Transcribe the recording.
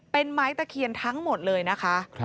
เป็นไม้ตะเคียนทั้งหมดเลยนะคะ